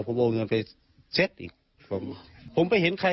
ผมโอเงินไปเซ็ตอีก